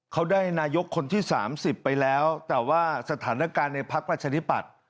เขาได้นายกคนที่๓๐ไปแล้วแต่ว่าสถานการณ์ในพักประชาธิปัตย์